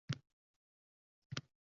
Hammasi yaxshi bo`ladi, mana ko`rasan